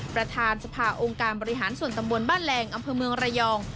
ประธานสภาองค์การบริหารส่วนตำบลบ้านแรงอำเภอเมืองระยอง